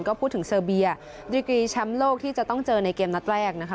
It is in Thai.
ก็พูดถึงเซอร์เบียดริกรีแชมป์โลกที่จะต้องเจอในเกมนัดแรกนะคะ